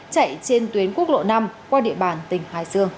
chạy trên tuyến quốc lộ năm qua địa bàn tỉnh hải sương